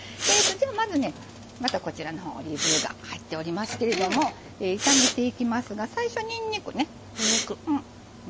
まずねまたこちらのほうオリーブ油が入っておりますけども炒めていきますが最初にんにくね。